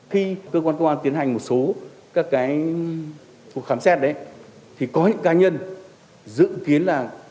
khi cơ quan công an tiến hành một số các cái cuộc khám xét đấy thì có những cá nhân dự kiến là